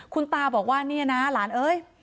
คุณตาบอกว่าเนี่ยนะหลานเอ้ย